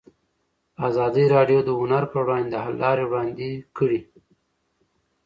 ازادي راډیو د هنر پر وړاندې د حل لارې وړاندې کړي.